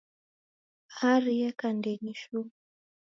Bahari yeka ndenyi shuu.